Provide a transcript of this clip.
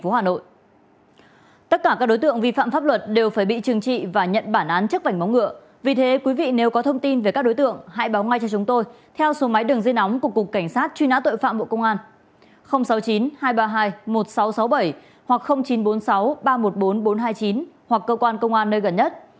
sáu mươi chín hai trăm ba mươi hai một nghìn sáu trăm sáu mươi bảy hoặc chín trăm bốn mươi sáu ba trăm một mươi bốn bốn trăm hai mươi chín hoặc cơ quan công an nơi gần nhất